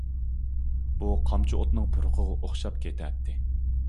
بۇ قامچا ئوتنىڭ پۇرىقىغا ئوخشاپ كېتەتتى.